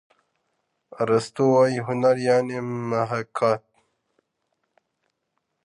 ارستو وايي هنر یعني محاکات.